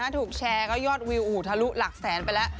ถูกแชร์ก็ยอดวิวทะลุหลักแสนไปแล้ว